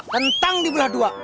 tentang dibelah dua